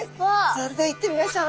それでは行ってみましょう。